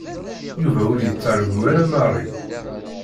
Yuba ur yettargu ara Mary.